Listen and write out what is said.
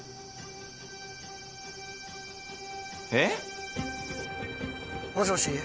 えっ！？もしもし？